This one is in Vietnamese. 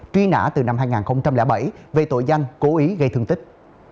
truy nã từ năm hai nghìn bảy về tội danh cố ý gây thương tích